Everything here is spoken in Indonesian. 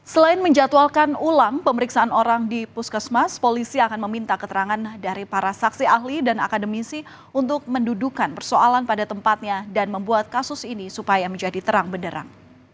selain menjatuhalkan ulang pemeriksaan orang di puskesmas polisi akan meminta keterangan dari para saksi ahli dan akademisi untuk mendudukan persoalan pada tempatnya dan membuat kasus ini supaya menjadi terang benderang